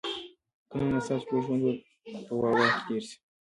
که نه نو ستاسو ټول ژوند به په "واه، واه" کي تیر سي